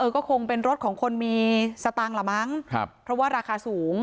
ก็คงเป็นรถของคนมีสตางค์ละมั้งเพราะว่าราคาสูง